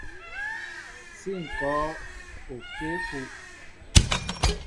Si ŋkɔɔŋ okěkúw.